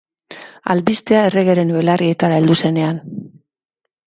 Albistea erregeren belarrietara heldu zenean.